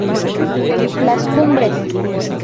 Las Cumbres.